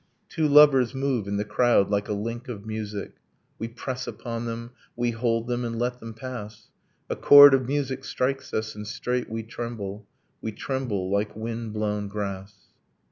Two lovers move in the crowd like a link of music, We press upon them, we hold them, and let them pass; A chord of music strikes us and straight we tremble; We tremble like wind blown grass.